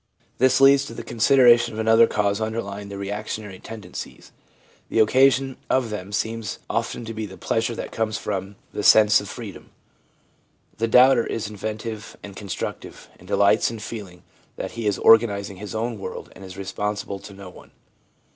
This leads to the consideration of another cause underlying the reactionary tendencies. The occasion of them seems often to be the pleasure that comes from 250 THE PSYCHOLOGY OF RELIGION the sense of freedom. The doubter is inventive and constructive, and delights in feeling that be is organising his own world and is responsible to no one.